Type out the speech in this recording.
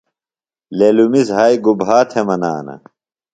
للمی زھائی گُبھا تھےۡ منانہ؟